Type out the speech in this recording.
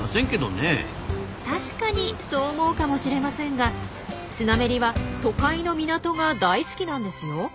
確かにそう思うかもしれませんがスナメリは都会の港が大好きなんですよ。